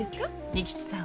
仁吉さん。